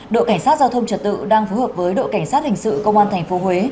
đội cảnh sát giao thông trật tự đang phù hợp với đội cảnh sát hình sự công an thành phố huế